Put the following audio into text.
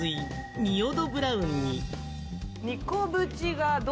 仁淀ブラウンに。